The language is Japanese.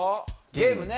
ゲームね。